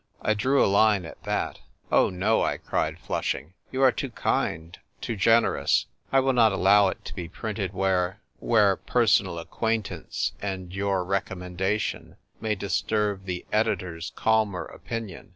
I drew a line at that. " Oh, no," I cried, flushing. "You are too kind, too generous. I will not allow it to be printed where — where personal acquaintance and your recom mendation may disturb the editor's calmer opinion.